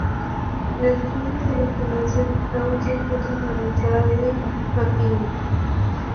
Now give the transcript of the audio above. Las ruinas de la fundición aún se encuentran a la entrada de Mapimí.